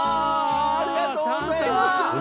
ありがとうございます。